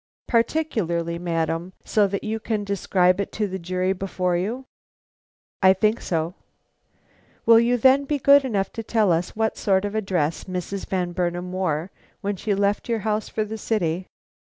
"Particularly, madam; so that you can describe it to the jury before you?" "I think so." "Will you, then, be good enough to tell us what sort of a dress Mrs. Van Burnam wore when she left your house for the city?"